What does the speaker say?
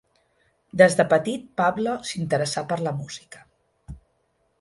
Des de petit Pablo s'interessà per la música.